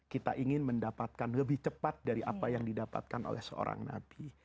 kita ingin mendapatkan lebih cepat dari apa yang didapatkan oleh seorang nabi